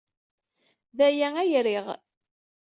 D aya ay riɣ.